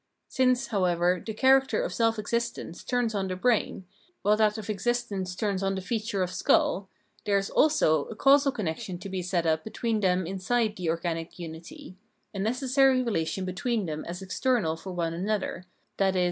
Since, however, the character of self existence turns on the brain, while that of existence turns on the feature of skull, there is also a causal connection to be set up between them inside the organic unity — a necessary relation between them as external for one another, i.e.